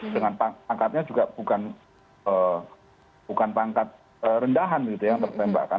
dengan pangkatnya juga bukan pangkat rendahan gitu ya yang tertembakkan